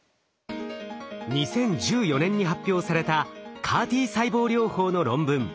２０１４年に発表されたＣＡＲ−Ｔ細胞療法の論文。